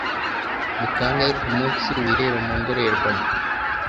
ni kangahe kumunsi wireba mu ndorerwamo